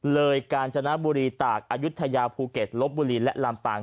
กาญจนบุรีตากอายุทยาภูเก็ตลบบุรีและลำปาง